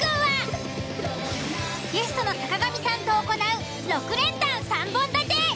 ゲストの坂上さんと行う６連単３本立て。